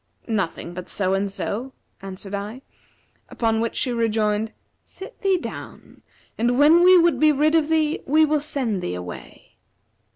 'Nothing but so and so,' answered I; upon which she rejoined, 'Sit thee down; and when we would be rid of thee, we will send thee away.'